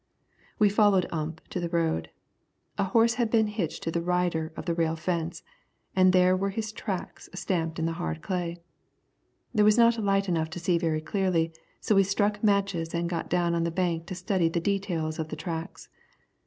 We followed Ump to the road. A horse had been hitched to the "rider" of the rail fence, and there were his tracks stamped in the hard clay. There was not light enough to see very clearly, so we struck matches and got down on the bank to study the details of the tracks.